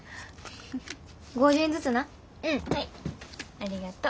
ありがとう。